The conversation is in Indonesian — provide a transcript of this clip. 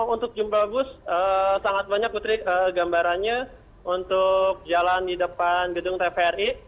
untuk jumlah bus sangat banyak putri gambarannya untuk jalan di depan gedung tvri